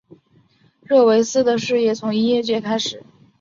热维斯的事业从音乐界开始。